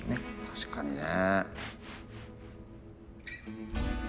確かにね。